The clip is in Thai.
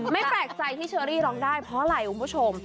ไม่แปลกใจที่เชอรี่ร้องได้เพราะอะไรคุณผู้ชม